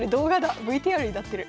ＶＴＲになってる。